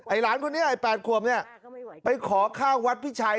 หลานคนนี้ไอ้๘ขวบเนี่ยไปขอข้าววัดพิชัย